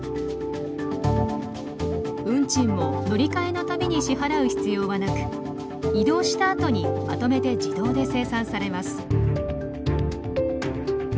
運賃も乗り換えの度に支払う必要はなく移動したあとにまとめて自動で精算されます。